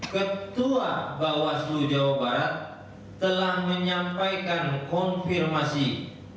ketua bawaslu jawa barat telah menyampaikan konfirmasi kepada kpud kota cirebon